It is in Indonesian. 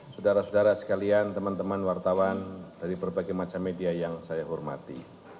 saudara saudara sekalian teman teman wartawan dari berbagai macam media yang saya hormati